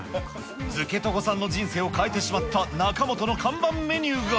づけごとさんの人生を変えてしまった中本の看板メニューが。